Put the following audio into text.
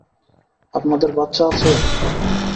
আপনাদের বাচ্চা আছে?